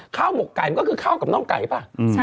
หมกไก่มันก็คือข้าวกับน่องไก่ป่ะ